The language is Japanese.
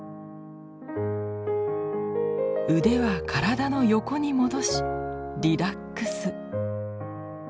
腕は体の横に戻しリラックス。